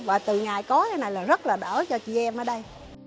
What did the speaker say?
và từ ngày có thế này là rất là đỡ cho chị em ở đây